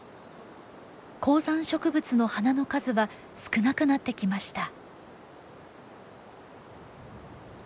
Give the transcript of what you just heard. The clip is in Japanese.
高山植物の花の数は少なくなってきました。